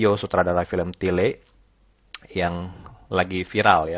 yang sudah teradara film tile yang lagi viral ya